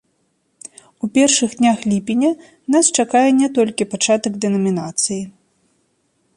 У першых днях ліпеня нас чакае не толькі пачатак дэнамінацыі.